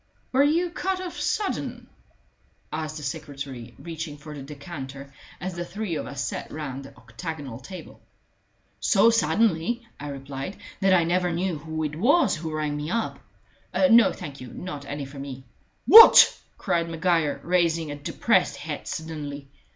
"Were you cut off sudden?" asked the secretary, reaching for the decanter, as the three of us sat round the octagonal table. "So suddenly," I replied, "that I never knew who it was who rang me up. No, thank you not any for me." "What!" cried Maguire, raising a depressed head suddenly.